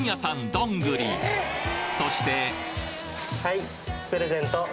どんぐりそしてはいプレゼント！